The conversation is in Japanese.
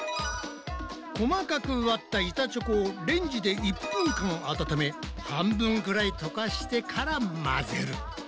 細かく割った板チョコをレンジで１分間温め半分ぐらい溶かしてから混ぜる。